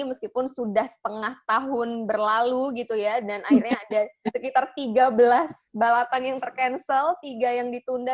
meskipun sudah setengah tahun berlalu gitu ya dan akhirnya ada sekitar tiga belas balapan yang ter cancel tiga yang ditunda